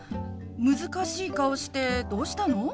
難しい顔してどうしたの？